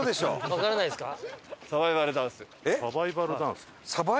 わからないですか？